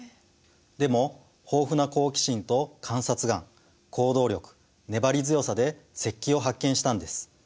でも豊富な好奇心と観察眼行動力粘り強さで石器を発見したんです。